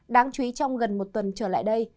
đáng chú ý trong gần một tuần trở lại đây